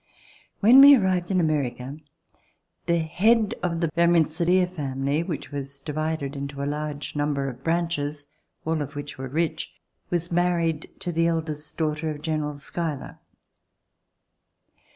When we arrived in America the head of the Van Rensselaer family, which was divided into a large number of branches, all of which were rich, was married to the eldest daughter of General Schuyler.